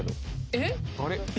えっ！？